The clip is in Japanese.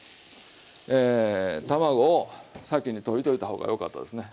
え卵を先に溶いておいた方がよかったですね。